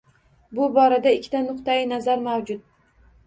Bu borada ikkita nuqtai nazar mavjud.